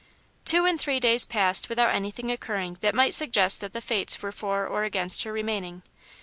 Two and three days passed without anything occurring that might suggest that the Fates were for or against her remaining.